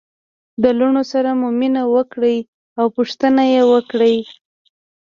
د لوڼو سره مو مینه وکړئ او پوښتنه يې وکړئ